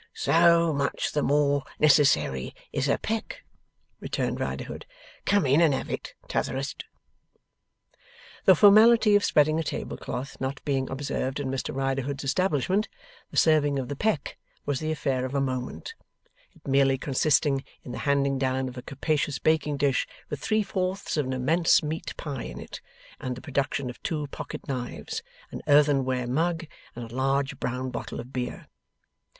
'So much the more necessairy is a Peck,' returned Riderhood. 'Come in and have it, T'otherest.' The formality of spreading a tablecloth not being observed in Mr Riderhood's establishment, the serving of the 'peck' was the affair of a moment; it merely consisting in the handing down of a capacious baking dish with three fourths of an immense meat pie in it, and the production of two pocket knives, an earthenware mug, and a large brown bottle of beer.